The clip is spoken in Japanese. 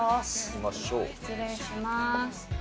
失礼します。